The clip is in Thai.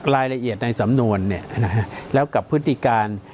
รายละเอียดในสำนวนแล้วกับพฤติการ